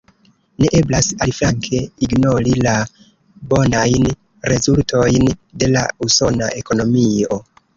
Ne eblas aliflanke ignori la bonajn rezultojn de la usona ekonomio.